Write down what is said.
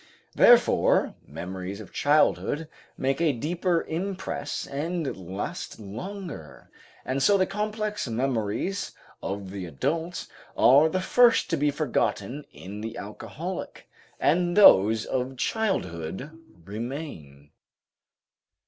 Therefore memories of childhood make a deeper impress and last longer, and so the complex memories of the adult are the first to be forgotten in the alcoholic, and those of childhood remain.